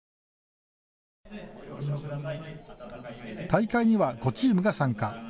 大会には５チームが参加。